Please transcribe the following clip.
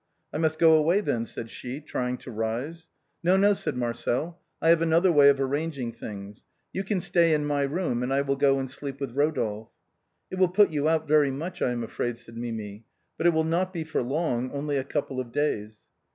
" I must go away then," said she, trying to rise. " No, no," said Marcel, " I have another way of arrang ing things, you can stay in my room, and I will go and sleep with Rodolphe." " It will put you out very much, I am afraid," said Mimi, " but it will not be for long, only a couple of days."